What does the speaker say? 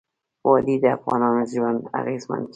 وادي د افغانانو ژوند اغېزمن کوي.